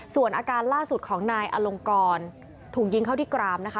ส่วนอาการล่าสุดของนายอลงกรถูกยิงเข้าที่กรามนะคะ